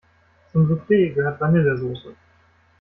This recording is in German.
Zum Souffle gehört Vanillesoße.